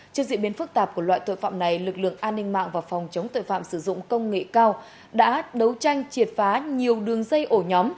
trước diễn biến phức tạp của loại tội phạm này lực lượng an ninh mạng và phòng chống tội phạm sử dụng công nghệ cao đã đấu tranh triệt phá nhiều đường dây ổ nhóm